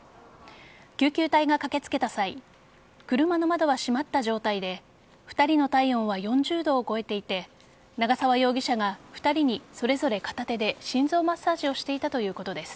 救急隊が駆けつけた際車の窓は閉まった状態で２人の体温は４０度を超えていて長沢容疑者が２人にそれぞれ片手で心臓マッサージをしていたということです。